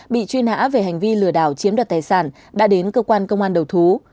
bị truy nã về hành vi lừa đảo chiếm đoạt tài sản đã đến cơ quan công an đầu thú